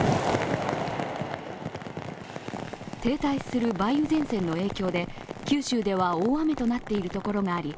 停滞する梅雨前線の影響で九州では大雨となっている所があり